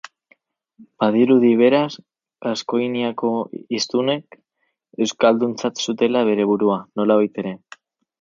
Badirudi, beraz, Gaskoiniako hiztunek euskalduntzat zutela beren burua, nolabait ere.